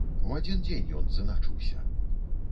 У адзін дзень ён зыначыўся.